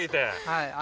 はい。